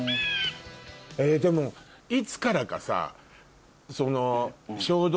でもいつからかさ。